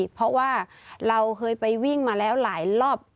เพราะว่าเราเคยไปวิ่งมาแล้วหลายรอบ